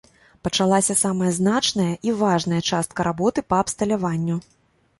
Пачалася самая значная і важная частка работы па абсталяванню.